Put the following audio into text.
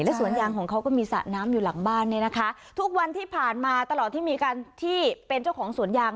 สวนยางของเขาก็มีสระน้ำอยู่หลังบ้านเนี่ยนะคะทุกวันที่ผ่านมาตลอดที่มีการที่เป็นเจ้าของสวนยาง